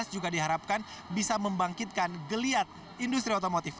juga diharapkan bisa membangkitkan geliat industri otomotif